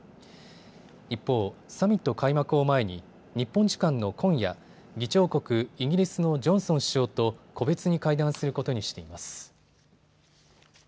一方、サミット開幕を前に日本時間の今夜、議長国イギリスのジョンソン首相と個別に会談することにしています。